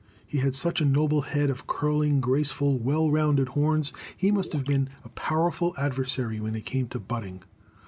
He had such a noble head of curling, graceful, well rounded horns. He must have been a powerful adversary when it came to butting.